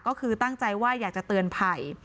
ก็คือตั้งใจว่าอยากจะเตือนภัย